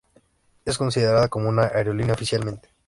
Es considerada como una aerolínea oficialmente.